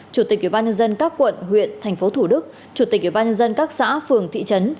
chủ tịch ubnd các quận huyện tp thủ đức chủ tịch ubnd các xã phường thị trấn